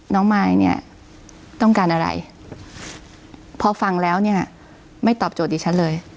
มายเนี่ยต้องการอะไรพอฟังแล้วเนี่ยไม่ตอบโจทย์ดิฉันเลย